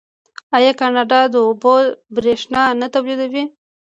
آیا کاناډا د اوبو بریښنا نه تولیدوي؟